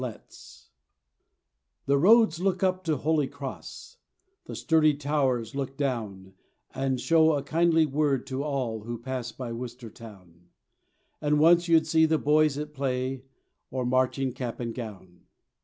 Letts) The roads look up to Holy Cross, The sturdy towers look down, And show a kindly word to all Who pass by Worcester Town; And once you'd see the boys at play, Or marching cap and gown.